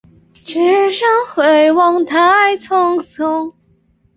拉芒辛讷人口变化图示